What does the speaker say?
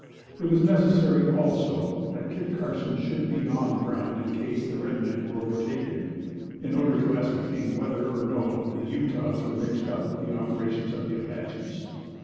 It was necessary, also, that Kit Carson should be on the ground in case the red men were overtaken, in order to ascertain whether, or no, the Utahs were mixed up with the operations of the Apaches.